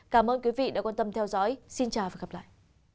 cảm ơn quý vị đã quan tâm theo dõi xin chào và hẹn gặp lại